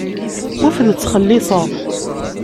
Ur ten-ttxelliṣeɣ.